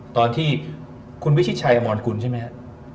ตอนที่คุณวิชิตชัยอมรกุลใช่ไหมครับ